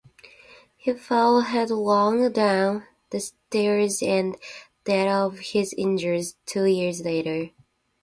He fell headlong down the stairs and died of his injuries two days later.